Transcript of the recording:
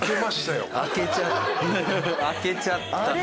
開けちゃった。